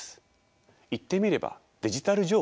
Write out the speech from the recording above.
言ってみればデジタル情報ですね。